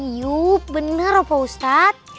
iya bener opah ustadz